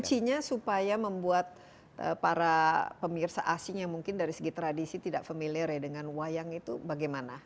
kuncinya supaya membuat para pemirsa asing yang mungkin dari segi tradisi tidak familiar ya dengan wayang itu bagaimana